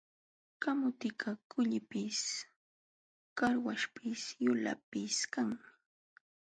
Kamutikaq kullipis, qarwaśhpis, yulaqpis kanmi.